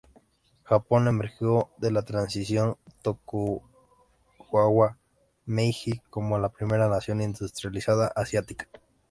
Japón emergió de la transición Tokugawa-Meiji como la primera nación industrializada asiática.